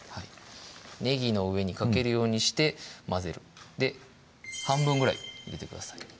ねぎの上にかけるようにして混ぜる半分ぐらい入れてください